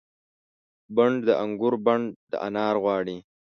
بڼ د انګور بڼ د انار غواړي